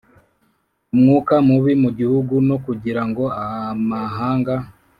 umwuka mubi mu gihugu no kugira ngo amahanga